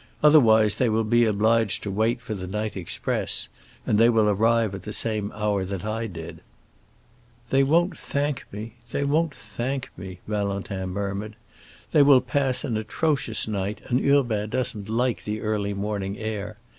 Otherwise they will be obliged to wait for the night express, and they will arrive at the same hour as I did." "They won't thank me—they won't thank me," Valentin murmured. "They will pass an atrocious night, and Urbain doesn't like the early morning air.